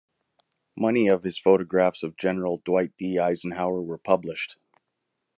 Many of his photographs of General Dwight D. Eisenhower were published.